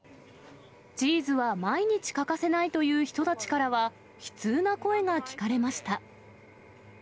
チーズは毎日欠かせないという人たちからは、悲痛な声が聞かれました。